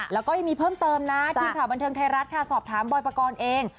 แล้วก็ยังมีเพิ่มเติมนะทีมข่าวบันเทิงไทยรัฐค่ะสอบถามบอยปกรณ์เอง